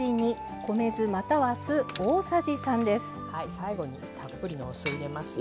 最後にたっぷりのお酢を入れますよ。